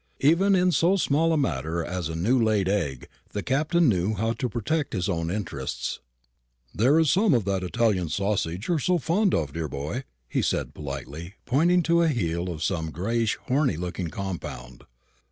Even in so small a matter as a new laid egg the Captain knew how to protect his own interest. "There's some of that Italian sausage you're so fond of, dear boy," he said politely, pointing to a heel of some grayish horny looking compound.